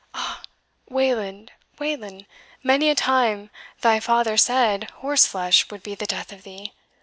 Ah! Wayland, Wayland, many a time thy father said horse flesh would be the death of thee.